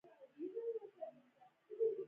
افغانستان د اقلیم کوربه دی.